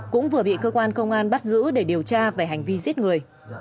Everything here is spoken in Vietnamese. cũng vừa bị cơ quan công an bắt giữ để điều tra về hành vi giết người